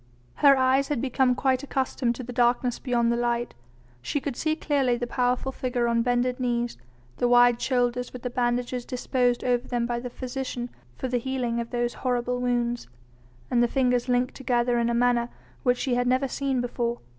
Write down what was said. Her eyes had become quite accustomed to the darkness beyond the light. She could see clearly the powerful figure on bended knees, the wide shoulders with the bandages disposed over them by the physician for the healing of those horrible wounds, and the fingers linked together in a manner which she had never seen before.